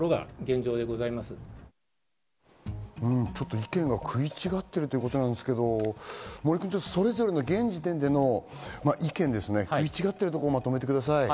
意見が食い違っているということですが、それぞれの現時点での意見の食い違っているところをまとめてください。